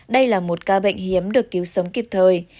đây là một ca bệnh hiếm được cứu sống kịp thời